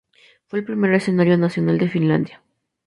Fue el primer escenario nacional de Finlandia.